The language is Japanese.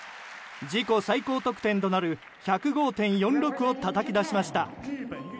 自己最高得点となる１０４．５６をたたき出しました。